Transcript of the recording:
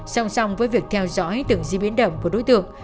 song song với việc theo dõi tưởng di biến động của đối tượng